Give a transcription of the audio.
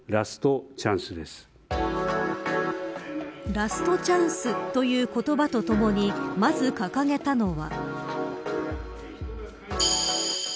ラストチャンスという言葉とともにまず掲げたのは。